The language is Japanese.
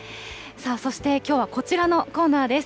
さあ、そしてきょうはこちらのコーナーです。